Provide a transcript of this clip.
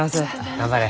頑張れ。